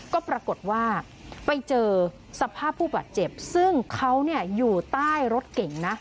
ก็ปรากฏว่าไปเจอสภาพผู้บาดเจ็บซึ่งเขาอยู่ใต้รถเก่งนะ